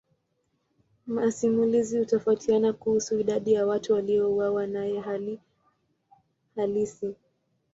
Masimulizi hutofautiana kuhusu idadi ya watu waliouawa naye hali halisi.